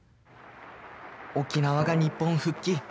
沖縄が日本復帰。